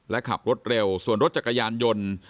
และขับรถเร็วส่วนรถจักรยานยนต์